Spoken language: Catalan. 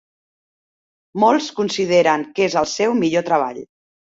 Molts consideren que és el seu millor treball.